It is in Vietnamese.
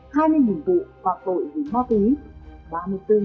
hai mươi hình vụ phạt tội vì ma túy